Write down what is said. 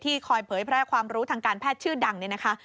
คอยเผยแพร่ความรู้ทางการแพทย์ชื่อดังเนี่ยนะคะ